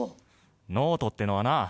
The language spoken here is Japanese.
ノートってのはな